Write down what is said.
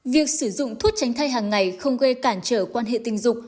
việc sử dụng thuốc tránh thai hàng ngày không gây cản trở quan hệ tình dục